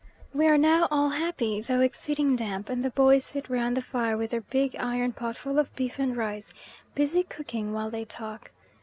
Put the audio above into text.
We are now all happy, though exceeding damp, and the boys sit round the fire, with their big iron pot full of beef and rice, busy cooking while they talk.